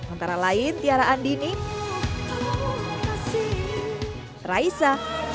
antara lain tiara andini raisa